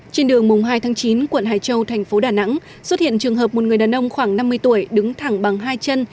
trên đường mùng hai tháng chín quận hải châu thành phố đà nẵng xuất hiện trường hợp một người đàn ông khoảng năm mươi tuổi đứng thẳng bằng hai chân